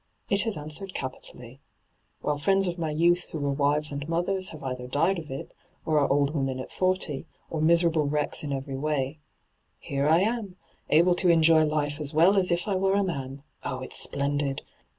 It has answered capitally. While fiiends of my youth who were wives and mothers have either died of it or are old women at forty, or miserable wrecks in every way — here I am, able to enjoy life as well as if I were a man 1 Oh, it's splendid